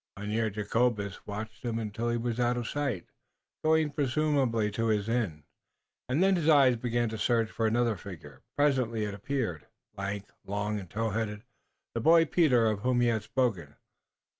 Mynheer Jacobus watched him until he was out of sight, going presumably to his inn, and then his eyes began to search for another figure. Presently it appeared, lank, long and tow headed, the boy, Peter, of whom he had spoken.